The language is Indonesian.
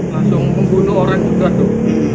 langsung membunuh orang juga tuh